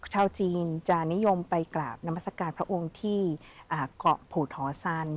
ชาวจีนจะนิยมไปกราบนามัศกาลพระองค์ที่เกาะผูดหอซัน